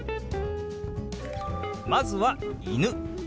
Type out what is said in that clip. まずは「犬」。